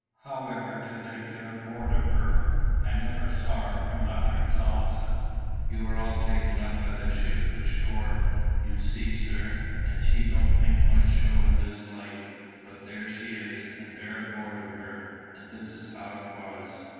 "How ever did they get aboard of her? I never saw her from the heights opposite." "You were all taken up by the ship ashore, you see, sir. And she don't make much show in this light. But there she is, and they're aboard of her. And this is how it was."